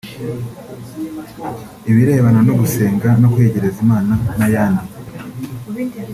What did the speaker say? ibirebana no gusenga no kwiyegereza Imana n’ayandi